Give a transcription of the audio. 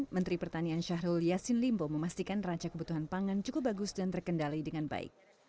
menteri pertanian syahrul yassin limbo memastikan raca kebutuhan pangan cukup bagus dan terkendali dengan baik